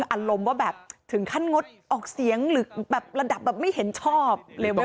อารมณ์ว่าแบบถึงขั้นงดออกเสียงหรือแบบระดับแบบไม่เห็นชอบ